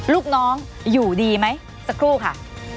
ลูกน้องอยู่ดีไหมสักครู่ค่ะ